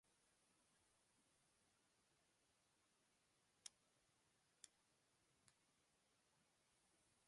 লক্ষ্য ছিল আলাস্কার সমস্ত স্থানীয়দের আগ্রহের বিষয়ে অবহিত করা।